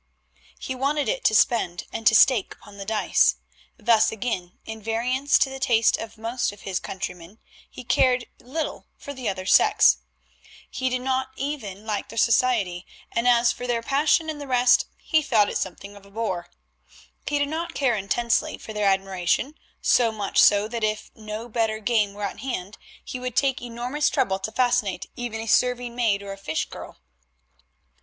He wanted it to spend and to stake upon the dice. Thus again, in variance to the taste of most of his countrymen, he cared little for the other sex; he did not even like their society, and as for their passion and the rest he thought it something of a bore. But he did care intensely for their admiration, so much so that if no better game were at hand, he would take enormous trouble to fascinate even a serving maid or a fish girl.